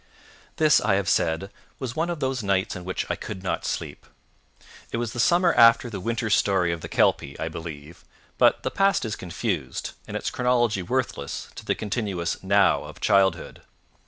This, I have said, was one of those nights on which I could not sleep. It was the summer after the winter story of the kelpie, I believe; but the past is confused, and its chronology worthless, to the continuous now of childhood.